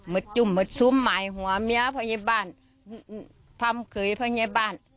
มัดจุ่มมัดซุ้มหมายหัวเมียพยาบาลพรรมเคยพยาบาล